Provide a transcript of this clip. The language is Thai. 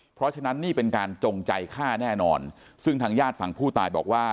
เพราะฉะนั้นนี่เป็นการจงใจฆ่าแน่นอนซึ่งทางญาติฝั่งผู้ตายบอกว่า